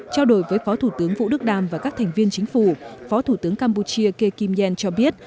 trao đổi với phó thủ tướng vũ đức đam và các thành viên chính phủ phó thủ tướng campuchia ke kim yen cho biết